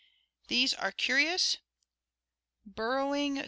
These are curious, burrowing, Fig.